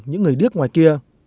những người điếc ngoài kia